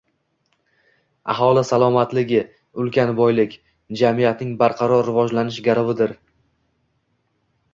Aholi salomatligi – ulkan boylik, jamiyatning barqaror rivojlanishi garovidir